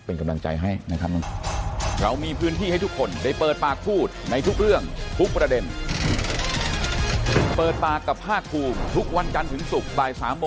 เป็นกำลังใจให้นะครับ